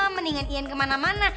mendingan ian kemana mana